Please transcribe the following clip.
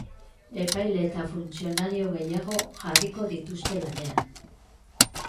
Epaile eta funtzionario gehiago jarriko dituzte lanean.